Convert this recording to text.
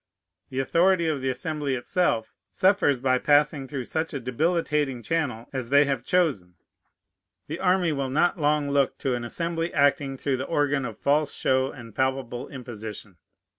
The authority of the Assembly itself suffers by passing through such a debilitating channel as they have chosen. The army will not long look to an Assembly acting through the organ of false show and palpable imposition.